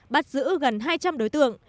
bắt giữ gần hai trăm linh đối tượng